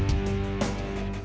saya yang menang